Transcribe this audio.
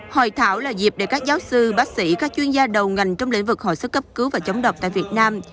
hội thảo là dịp để các giáo sư bác sĩ các chuyên gia đầu ngành trong lĩnh vực hội sức cấp cứu và chống độc tại việt nam